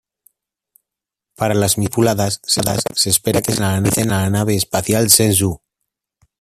Para las misiones tripuladas, se espera que utilice la nave espacial Shenzhou.